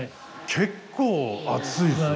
結構熱いっすね。